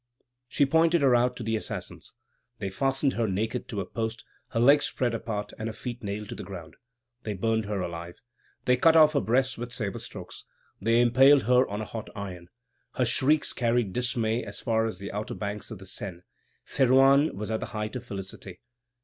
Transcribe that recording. She pointed her out to the assassins. They fastened her naked to a post, her legs apart and her feet nailed to the ground. They burned her alive. They cut off her breasts with sabre strokes. They impaled her on a hot iron. Her shrieks carried dismay as far as the outer banks of the Seine. Théroigne was at the height of felicity.